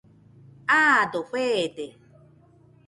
Aado feede.